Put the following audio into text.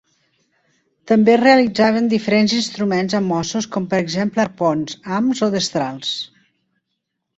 També realitzaven diferents instruments amb ossos com per exemple arpons, hams o destrals.